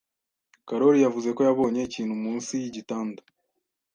Karoli yavuze ko yabonye ikintu munsi yigitanda.